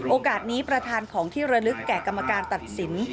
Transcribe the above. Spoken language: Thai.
โอกาสนี้ประธานของที่ระลึกแก่กรรมการตัดสิน